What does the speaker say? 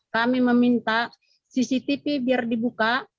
kami meminta cctv biar dibuka